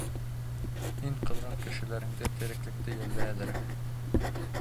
Һин ҡыҙған кешеләреңде, тереклекте йәллә әҙерәк.